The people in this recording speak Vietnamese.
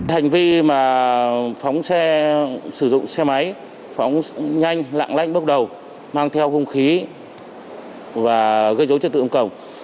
hành vi mà phóng xe sử dụng xe máy phóng nhanh lạng lãnh bước đầu mang theo không khí và gây dối chất tự công cộng